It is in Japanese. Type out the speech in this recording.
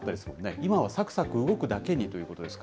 今はさくさく動くだけにということですか。